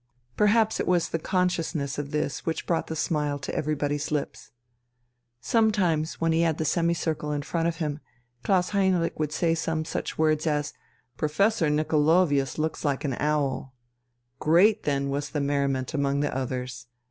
Perhaps it was the consciousness of this which brought the smile to everybody's lips. Sometimes, when he had the semicircle in front of him, Klaus Heinrich would say some such words as "Professor Nicolovius looks an owl." Great then was the merriment among the others.